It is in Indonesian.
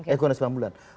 eh kurang dari sembilan bulan